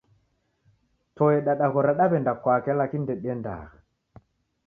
Toe dadaghora daw'enda kwake laikini ndediendagha